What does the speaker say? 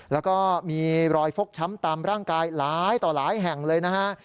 แล้วก็มีรอยฟกช้ำตามร่างกายหลายต่อหลายแห่งเลยนะฮะ